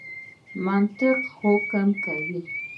منطق حکم کوي.